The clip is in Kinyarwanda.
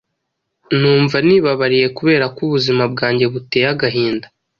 numva nibabariye kubera ko ubuzima bwanjye buteye agahinda.